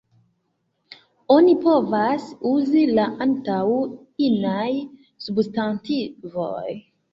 Oni povas uzi La antaŭ inaj substantivoj.